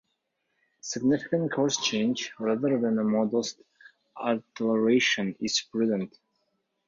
Significant course change, rather than a modest alteration, is prudent.